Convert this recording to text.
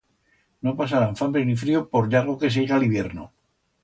No pasarán fambre ni frío por largo que seiga l'hibierno.